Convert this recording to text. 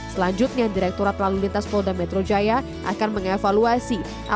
selanjutnya direkturat lalu lintas polda metro jaya akan mengevaluasi